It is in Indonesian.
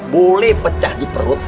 boleh pecah di perut